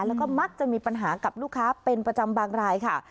แล้วก็มักจะมีปัญหากับลูกค้าเป็นประจำบางรายค่ะ